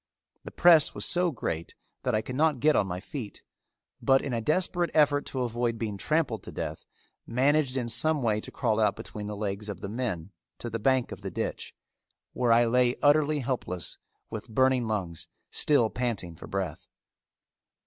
The press was so great that I could not get on my feet, but in a desperate effort to avoid being trampled to death managed in some way to crawl out between the legs of the men to the bank of the ditch, where I lay utterly helpless with burning lungs still panting for breath.